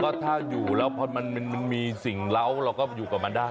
ก็ถ้าอยู่แล้วพอมันมีสิ่งเหล้าเราก็อยู่กับมันได้